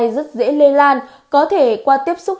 rất dễ lê lan có thể qua tiếp xúc